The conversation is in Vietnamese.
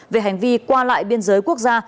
về hành vi qua lại biên giới quốc gia